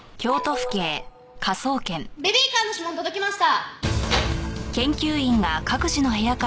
ベビーカーの指紋届きました。